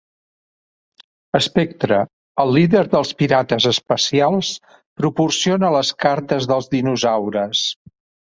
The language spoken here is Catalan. Spectre, el líder dels Pirates Espacials, proporciona les cartes dels dinosaures.